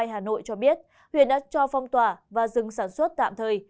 hà nội cho biết huyện đã cho phong tỏa và dừng sản xuất tạm thời